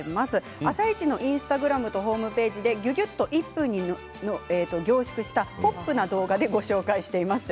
「あさイチ」のインスタグラムとホームページで、きゅっと１分に凝縮したポップな動画でご紹介しています。